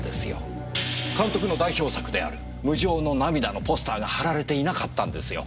監督の代表作である『無情の涙』のポスターが貼られていなかったんですよ。